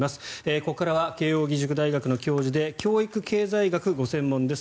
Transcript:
ここからは慶應義塾大学の教授で教育経済学ご専門です。